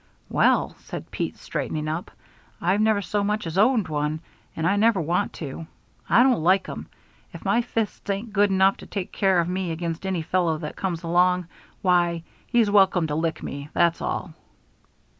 "Well," said Pete, straightening up, "I've never so much as owned one, and I never want to. I don't like 'em. If my fists ain't good enough to take care of me against any fellow that comes along, why, he's welcome to lick me, that's all."